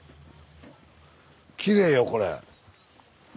きれいよこれ。